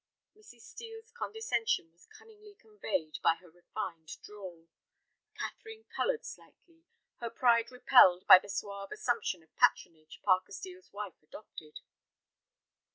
Mrs. Steel's condescension was cunningly conveyed by her refined drawl. Catherine colored slightly, her pride repelled by the suave assumption of patronage Parker Steel's wife adopted.